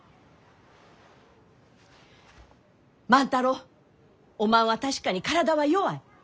万太郎おまんは確かに体は弱い。